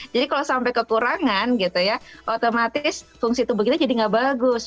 jadi kalau sampai kekurangan gitu ya otomatis fungsi tubuh kita jadi nggak bagus